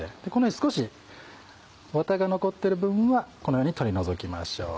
少しワタが残ってる部分はこのように取り除きましょう。